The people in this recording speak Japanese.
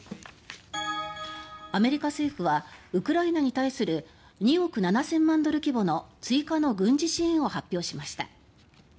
アメリカ政府はウクライナに対する２億７０００万ドル規模の追加の軍事支援を発表しました。